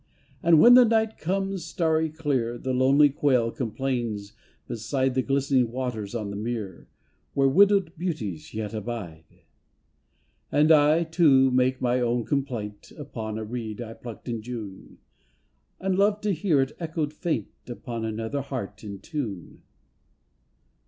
And when the night comes starry clear, The lonely quail complains beside The glistening waters on the mere Where widowed Beauties yet abide. 241 242 AUTUMN And I, too, make my own complaint Upon a reed I plucked in June, And love to hear it echoed faint Upon another heart in tune.